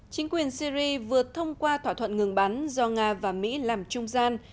chính quyền syri vừa thông qua thỏa thuận ngừng bắn do nga và mỹ làm trung gian